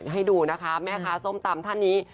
ให้ดูนะคะแม่ค้าส้มตำท่านนี้